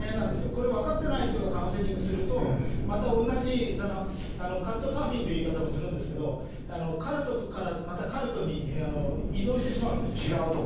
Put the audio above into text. これ、分かってない人がカウンセリングすると、また同じカルトサーフィンという言い方もするんですけど、カルトからまたカルトに移動してしまうんですよね。